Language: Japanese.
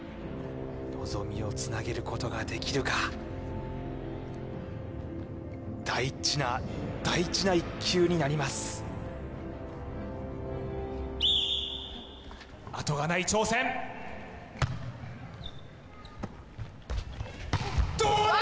望みをつなげることができるか大事な大事な１球になりますどうだ！？